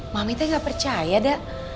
mami teh ga percaya dah